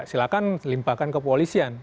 silahkan limpahkan kepolisian